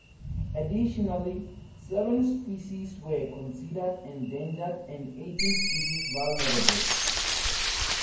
Additionally, seven species were considered endangered and eighteen species vulnerable.